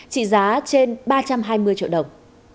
trị giá trên ba trăm hai mươi triệu đồng